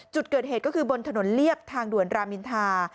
จุดเกิดเหตุก็คือบนถนนเรียบทางด่วนรามินทา